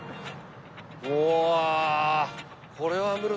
うわ。